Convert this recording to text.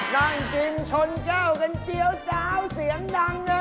นั่งกินชนก้าวกันเกี่ยวเสียงดังเนี่ย